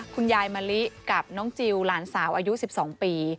คุณยายมะลิกับน้องจิลหลานสาวอายุ๑๒ปี